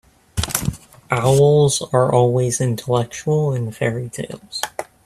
Owls are always intellectual in fairy-tales.